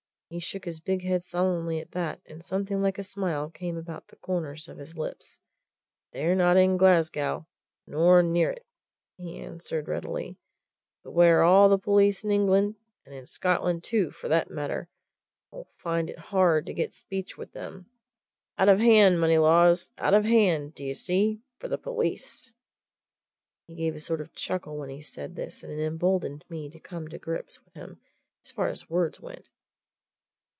He shook his big head solemnly at that, and something like a smile came about the corners of his lips. "They're not in Glasgow, nor near it," he answered readily, "but where all the police in England and in Scotland, too, for that matter 'll find it hard to get speech with them. Out of hand, Moneylaws! out of hand, d'ye see for the police!" He gave a sort of chuckle when he said this, and it emboldened me to come to grips with him as far as words went.